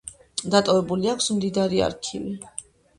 დატოვებული აქვს მდიდარი არქივი.